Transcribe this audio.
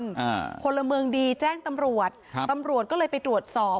ก็พลเมิงดีแจ้งตำรวจตำรวจก็เลยไปตรวจสอบ